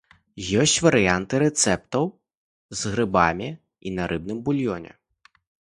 Ёсць варыянты рэцэптаў з грыбамі і на рыбным булёне.